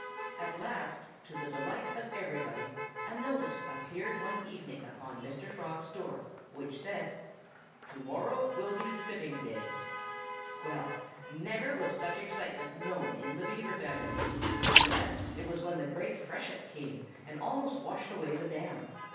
At last, to the delight of everybody, a notice appeared one evening upon Mr. Frog's door, which said: TO MORROW WILL BE FITTING DAY Well, never was such excitement known in the Beaver family unless it was when the great freshet came, and almost washed away the dam.